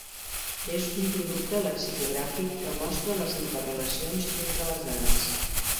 És un producte lexicogràfic que mostra les interrelacions entre les dades.